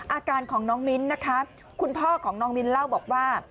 อาการของน้องมิ้นนะคะคุณพ่อของน้องมิ้นเล่าบอกว่า